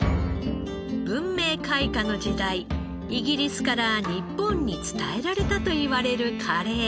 文明開化の時代イギリスから日本に伝えられたといわれるカレー。